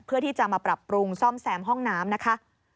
เพื่อที่จะมาปรับปรุงซ่อมแซมห้องน้ำนะคะ